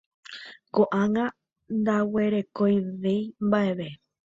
Koʼág̃a ndaguerekovéi mbaʼeve.